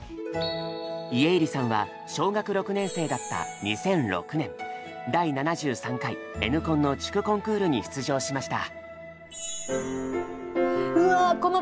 家入さんは小学６年生だった２００６年第７３回Ｎコンの地区コンクールに出場しました。